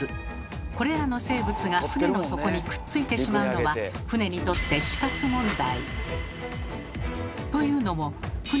これらの生物が船の底にくっついてしまうのは船にとって死活問題。